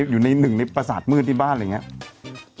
อยู่ในหนึ่งในประสาทมืดที่บ้านอะไรอย่างนี้